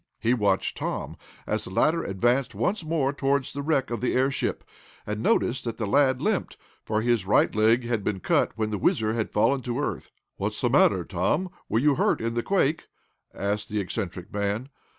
He watched Tom as the latter advanced once more toward the wreck of the airship, and noticed that the lad limped, for his right leg had been cut when the WHIZZER had fallen to earth. "What's the matter, Tom; were you hurt in the quake?" asked the eccentric man.